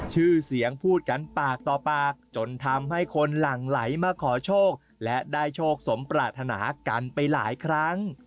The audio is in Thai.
ชื่อเสียงพูดกันปากต่อปากจนทำให้คนหลั่งไหลมาขอโชคและได้โชคสมปรารถนากันไปหลายครั้ง